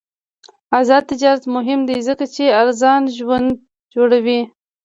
آزاد تجارت مهم دی ځکه چې ارزان ژوند جوړوي.